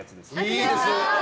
いいです。